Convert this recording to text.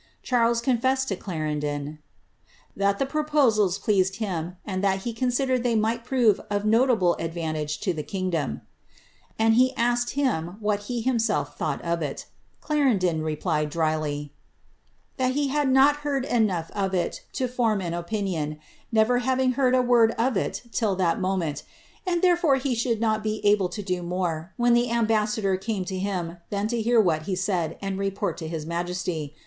Charki confessed to Clarendon ^ that the proposals pleased him, and that he considered they might prove of notable advantage to the kingdom, aod asked him what he himself thought of it Ckrendon replied, drilj, ^ that he had not heard enough of it to form an opinion, never hariig heard a word of it till that moment; and, therefore, he should not be able to do more, when the ambassador came to him, than to hear whit he said, and report it to his majesty.